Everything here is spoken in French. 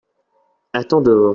Attends dehors.